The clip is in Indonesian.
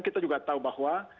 kita juga tahu bahwa